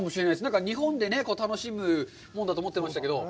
なんか日本でね、楽しむものだと思ってましたけど。